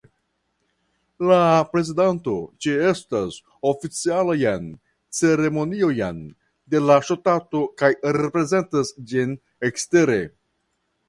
La prezidanto ĉeestas oficialajn ceremoniojn de la ŝtato kaj reprezentas ĝin ekstere.